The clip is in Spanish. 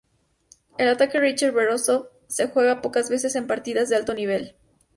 El Ataque Richter-Veresov se juega pocas veces en partidas de alto nivel.